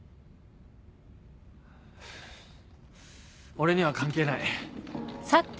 俺には関係ない。